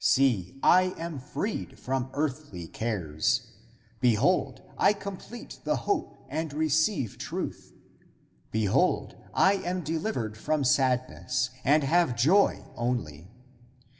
See, I am freed from earthly cares. Behold, I complete the hope and receive truth. Be hold, I am delivered from sadness and have joy only.